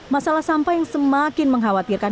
masalah sampah yang semakin mengkhawatirkan